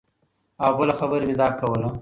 او بله خبره مې دا کوله